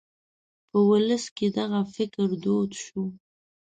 په ولس کې دغه فکر دود شو.